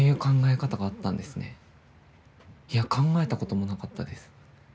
いや考えたこともなかったです。